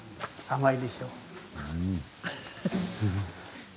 甘いでしょう？